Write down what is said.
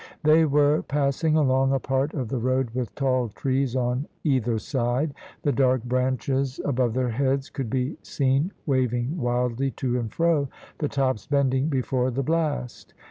They were passing along a part of the road with tall trees on either side. The dark branches above their heads could be seen waving wildly to and fro, the tops bending before the blast.